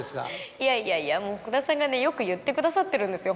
いやいやいやもう福田さんがね良く言ってくださってるんですよ